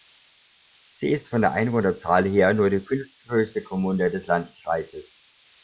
Sie ist von der Einwohnerzahl her nur die fünftgrößte Kommune des Landkreises.